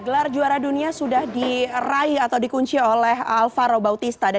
gelar juara dunia sudah diraih atau dikunci oleh alvaro bautista